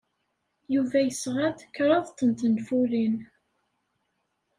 Yuba yesɣa-d kraḍt n tenfulin.